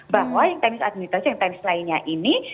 bahwa yang teknis administrasi yang tenis lainnya ini